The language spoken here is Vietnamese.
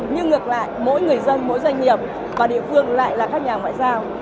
nhưng ngược lại mỗi người dân mỗi doanh nghiệp và địa phương lại là các nhà ngoại giao